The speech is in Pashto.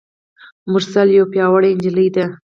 مرسل یوه پیاوړي نجلۍ ده.